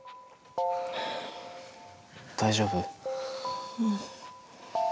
大丈夫？